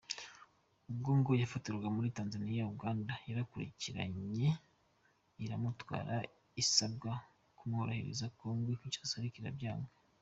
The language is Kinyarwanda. Ubwo ngo yafatirwaga muri Tanzania, Uganda yarakurikiranye iramutwara, isabwa kumwoherereza Congo Kinshasa ariko irabyanga.